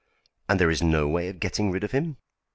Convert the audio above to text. "And there is no way of getting rid of him?"